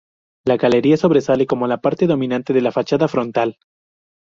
La galería sobresale como la parte dominante de la fachada frontal.